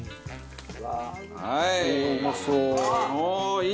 はい！